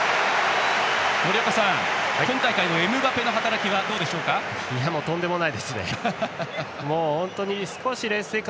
森岡さん、今大会のエムバペの働きはどうでしょうか。